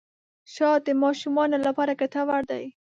شات د ماشومانو لپاره ګټور دي.